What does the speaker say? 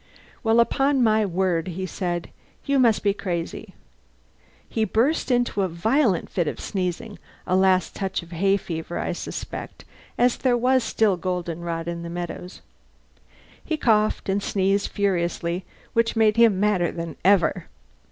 "Well, upon my word," he said, "you must be crazy." He burst into a violent fit of sneezing a last touch of hay fever, I suspect, as there was still goldenrod in the meadows. He coughed and sneezed furiously, which made him madder than ever.